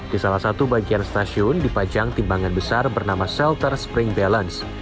di salah satu bagian stasiun dipajang timbangan besar bernama shelter spring balance